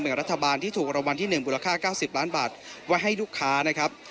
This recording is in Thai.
รัฐบาลที่ถูกรางวัลที่๑มูลค่า๙๐ล้านบาทไว้ให้ลูกค้านะครับ